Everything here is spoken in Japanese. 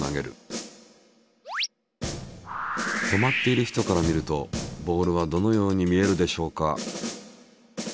止まっている人から見るとボールはどのように見えるでしょうか？